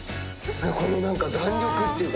この何か弾力っていうか。